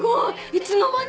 いつの間に？